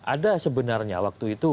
ada sebenarnya waktu itu